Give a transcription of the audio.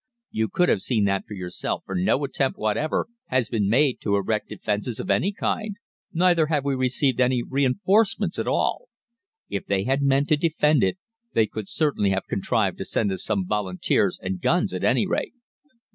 You could have seen that for yourself, for no attempt whatever has been made to erect defences of any kind, neither have we received any reinforcements at all. If they had meant to defend it they could certainly have contrived to send us some Volunteers and guns at any rate.